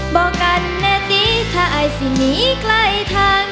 บอกกันแน่ดีถ้าอายสิหนีใกล้ทาง